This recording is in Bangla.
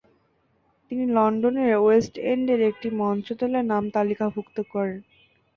তিনি লন্ডনের ওয়েস্ট এন্ডের একটি মঞ্চদলে নাম তালিকাভুক্ত করেন।